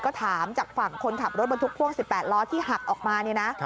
ก็ถามจากฝั่งคนขับรถบรรทุกพ่วง๑๘ล้อที่หักออกมาเนี่ยนะ